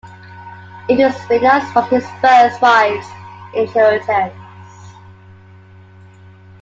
It was financed from his first wife's inheritance.